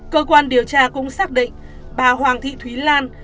cơ quan điều tra cũng xác định bà hoàng thị thúy lan